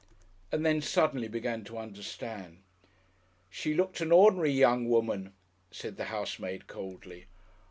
and then suddenly began to understand. "She looked an ordinary young woman," said the housemaid coldly.